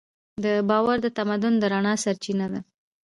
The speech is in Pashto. دا باور د تمدن د رڼا سرچینه ده.